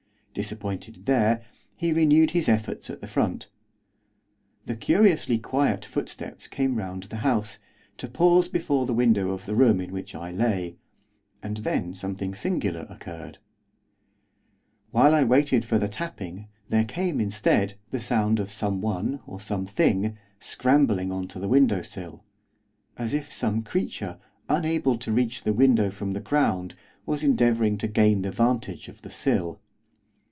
Disappointed there, he renewed his efforts at the front. The curiously quiet footsteps came round the house, to pause before the window of the room in which I lay, and then something singular occurred. While I waited for the tapping, there came, instead, the sound of someone or something, scrambling on to the window sill, as if some creature, unable to reach the window from the ground, was endeavouring to gain the vantage of the sill.